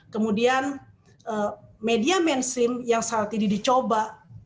kemudian media mainstream yang saat ini dicoba